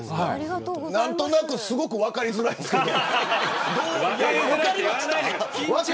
何となく分かりづらいですけど。